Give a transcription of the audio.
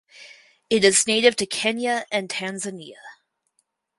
It is native to Kenya and Tanzania.